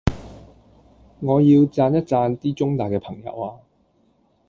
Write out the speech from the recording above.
我要讚一讚啲中大嘅朋友呀